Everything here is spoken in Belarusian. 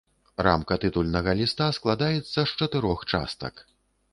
Рамка тытульнага ліста складаецца з чатырох частак.